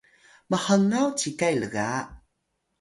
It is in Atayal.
mhngaw cikay lga